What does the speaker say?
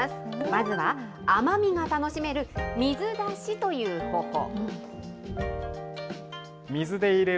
まずは、甘みが楽しめる水出しという方法。